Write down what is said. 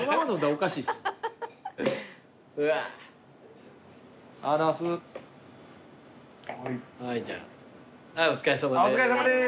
お疲れさまです。